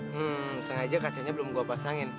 hmm sengaja kacanya belum gua pasangin